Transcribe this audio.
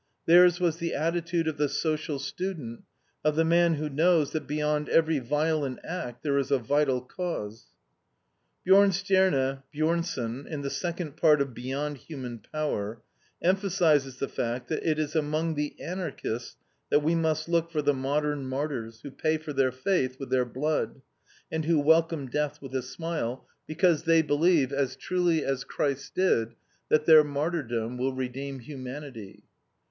Theirs was the attitude of the social student, of the man who knows that beyond every violent act there is a vital cause. Bjornstjerne Bjornson, in the second part of BEYOND HUMAN POWER, emphasizes the fact that it is among the Anarchists that we must look for the modern martyrs who pay for their faith with their blood, and who welcome death with a smile, because they believe, as truly as Christ did, that their martyrdom will redeem humanity.